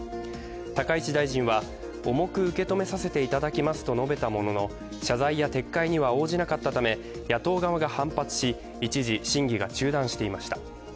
高市大臣は重く受け止めさせていただきますと述べたものの謝罪や撤回には応じなかったため野党側が反発し一時、審議が中断していました。